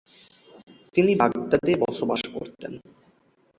তিনি বাগদাদে বসবাস করতেন।